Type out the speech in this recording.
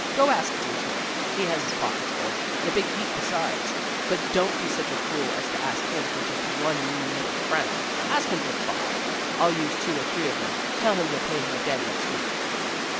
Go ask Dietrich; he has his pockets full, and a big heap besides. But don't be such a fool as to ask him for just one mean little franc; ask for five. I'll use two or three of them; tell him you'll pay him again in a week."